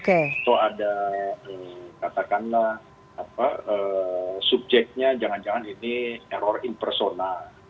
atau ada katakanlah subjeknya jangan jangan ini error impersonal